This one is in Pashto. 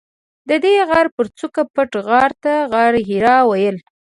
ددې غره پر څوکه پټ غار ته غارحرا ویل.